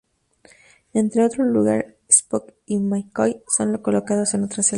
En otro lugar, Spock y McCoy son colocados en otra celda.